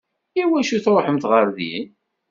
I wacu i tṛuḥemt ɣer din?